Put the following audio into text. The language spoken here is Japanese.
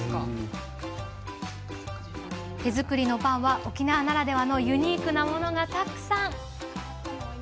手作りのパンは沖縄ならではのユニークなものがたくさん。